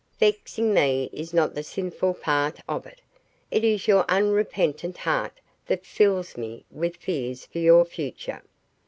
"Vexing me is not the sinful part of it. It is your unrepentant heart that fills me with fears for your future.